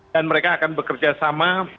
dan mereka akan bekerja sama